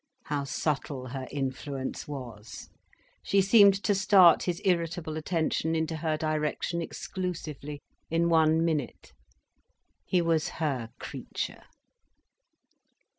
How subtle her influence was, she seemed to start his irritable attention into her direction exclusively, in one minute. He was her creature.